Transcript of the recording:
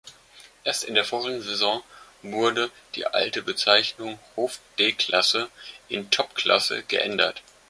Erst in der vorigen Saison wurde die alte Bezeichnung Hoofdklasse in Topklasse geändert.